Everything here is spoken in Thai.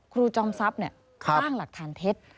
จอมทรัพย์สร้างหลักฐานเท็จ